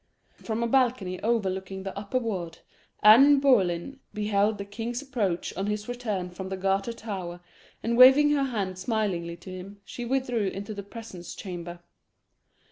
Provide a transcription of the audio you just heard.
From a balcony overlooking the upper ward, Anne Boleyn beheld the king's approach on his return from the Garter Tower, and waving her hand smilingly to him, she withdrew into the presence chamber.